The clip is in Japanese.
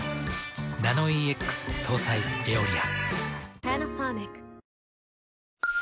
ナノイーＸ搭載「エオリア」。